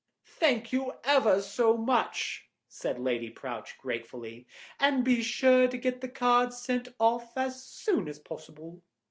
"Thank you ever so much," said Lady Prowche gratefully, "and be sure to get the cards sent off as soon as possible."